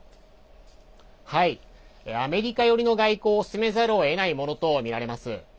アメリカ寄りの外交を進めざるをえないものとみられます。